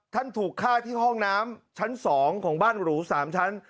ถูกฆ่าที่ห้องน้ำชั้น๒ของบ้านหรู๓ชั้น